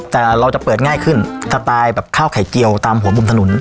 แต่เราจะเปิดง่ายขึ้นสไตล์แบบข้าวไข่เจียวตามหัวมุมถนน